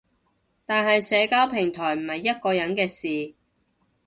但係社交平台唔係一個人嘅事